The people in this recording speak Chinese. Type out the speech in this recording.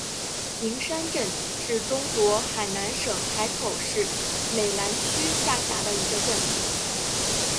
灵山镇是中国海南省海口市美兰区下辖的一个镇。